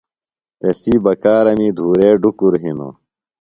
تسی بکارمی دُھورے ڈُکُر ہِنوۡ۔